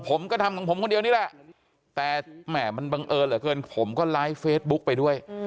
ผมก็ทำของผมคนเดียวนี่แหละแต่แหม่มันบังเอิญเหลือเกินผมก็ไลฟ์เฟซบุ๊กไปด้วย